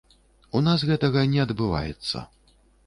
У нас гэтага не адбываецца.